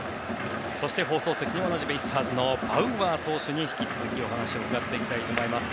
そして放送席にはおなじみのバウアー投手に引き続き、お話を伺っていきたいと思います。